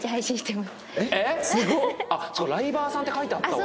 あっそっかライバーさんって書いてあったわ。